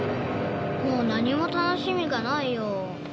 もう何も楽しみがないよ。